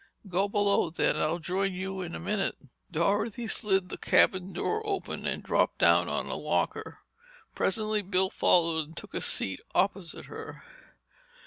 "Go below, then. I'll join you in a minute." Dorothy slid the cabin door open and dropped down on a locker. Presently Bill followed and took a seat opposite her.